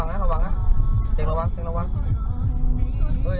ตอนนี้อะไรอยู่เอามอเตอร์ไซด์เนี่ย